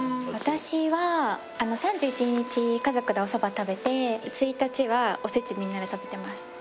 私は３１日家族でおそば食べて１日はおせちみんなで食べてます。